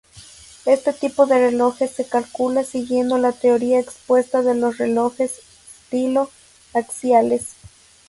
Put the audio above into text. Este tipo de relojes se calcula siguiendo la teoría expuesta de los relojes stilo-axiales.